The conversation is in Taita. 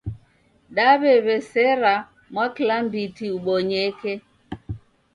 Daw'ew'esera mwakilambiti ubonyeke